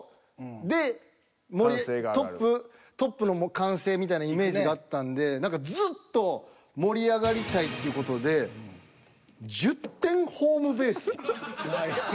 でトップの歓声みたいなイメージがあったんで何かずっと盛り上がりたいっていう事で１０点ホームベース。